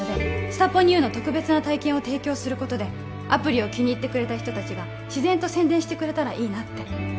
スタポニＵの特別な体験を提供することでアプリを気に入ってくれた人達が自然と宣伝してくれたらいいなって